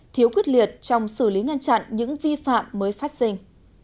thiếu quyết liệt trong xử lý ngăn chặn những vi phạm mới phát sinh